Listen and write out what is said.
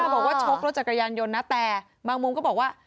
บอกว่าชกรถจักรยานยนต์นะแต่บางมุมก็บอกว่า